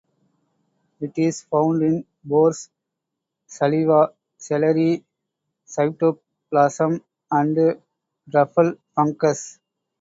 It is found in boar's saliva, celery cytoplasm, and truffle fungus.